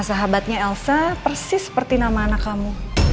sahabatnya elsa persis seperti nama anak kamu